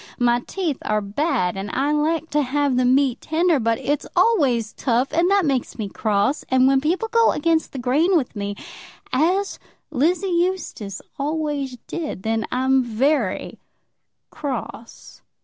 My teeth are bad, and I like to have the meat tender. But it's always tough, and that makes me cross. And when people go against the grain with me, as Lizzie Eustace always did, then I'm very cross."